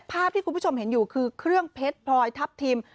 ภาพที่คุณผู้ชมเห็นอยู่คือเครื่องเพชรพลอยทัพทิม